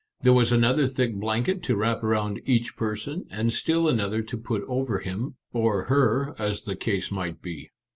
There was another thick blanket to wrap around each person, and still another to put over him, or her, as the case might be.